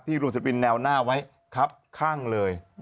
รวมศิปินแนวหน้าไว้ครับข้างเลย